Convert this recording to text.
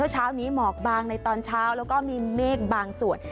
เช้านี้หมอกบางในตอนเช้าแล้วก็มีเมฆบางส่วน